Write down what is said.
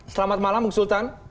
selamat malam bu sultan